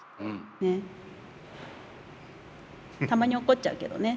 たまに怒っちゃうけどね。